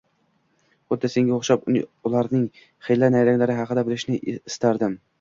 Xuddi senga o`xshab ularning xiyla-nayranglari haqida bilishni istardim